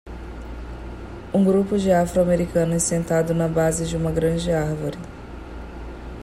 Um grupo de afro-americanos sentado na base de uma grande árvore.